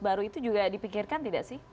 baru itu juga dipikirkan tidak sih